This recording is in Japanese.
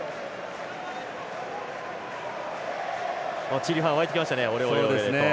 チリファン沸いてきましたね。